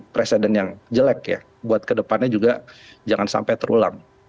presiden yang jelek ya buat kedepannya juga jangan sampai terulang